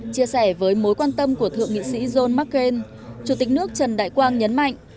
chia sẻ với mối quan tâm của thượng nghị sĩ john mccain chủ tịch nước trần đại quang nhấn mạnh